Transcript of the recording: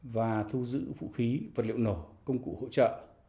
và thu giữ vũ khí vật liệu nổ công cụ hỗ trợ